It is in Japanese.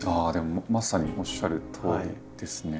まさにおっしゃるとおりですね。